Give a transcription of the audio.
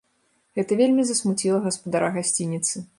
Гэта вельмі засмуціла гаспадара гасцініцы.